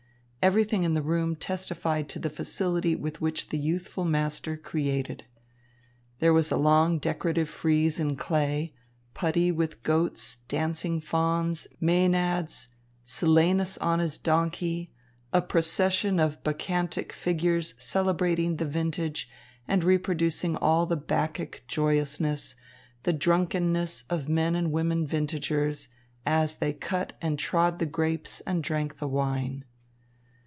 Everything in the room testified to the facility with which the youthful master created. There was a long decorative frieze in clay, putti with goats, dancing fauns, mænads, Silenus on his donkey, a procession of bacchantic figures celebrating the vintage and reproducing all the bacchic joyousness, the drunkenness, of men and women vintagers, as they cut and trod the grapes and drank the wine.